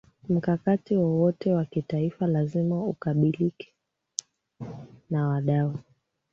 Mkakati wowote wa kitaifa lazima ukubalike na wadau